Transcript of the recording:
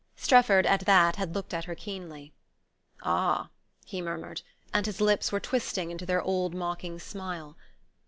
Strefford, at that, had looked at her keenly. "Ah," he murmured; and his lips were twisted into their old mocking smile.